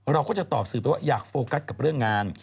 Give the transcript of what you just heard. เราก็จะตอบสื่อไปว่าอยากโฟกัสกับเรื่องงาน